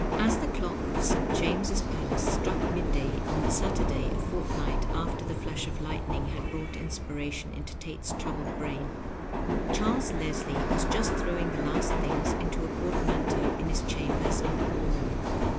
207 As the clock of St. James's Palace struck midday on the Saturday a fortnight after the flash of lightning had brought inspiration into Tate's troubled brain, Charles Leslie was just throwing the last things into a portman teau in his chambers in Fall Mall.